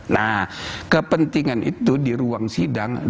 nah kepentingan itu di ruang sidang